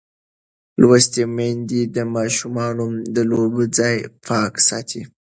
لوستې میندې د ماشومانو د لوبو ځای پاک ساتي.